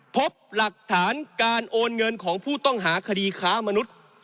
พบหลักฐานการโอนเงินของผู้ต้องหาคดีค้ามนุษย์